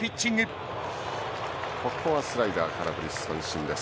ここはスライダー空振り三振です。